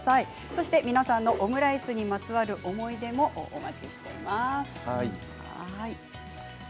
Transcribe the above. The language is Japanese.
そして皆さんのオムライスにまつわる思い出もお待ちしています。